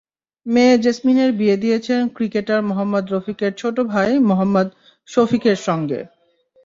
মেয়ে জেসমিনের বিয়ে দিয়েছেন ক্রিকেটার মোহাম্মদ রফিকের ছোট ভাই মোহাম্মদ সফিকের সঙ্গে।